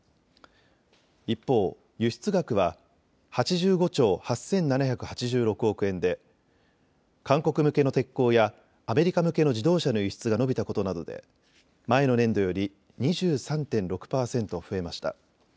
一方、輸出額は８５兆８７８６億円で韓国向けの鉄鋼やアメリカ向けの自動車の輸出が伸びたことなどで前の年度より２３．６％増えました。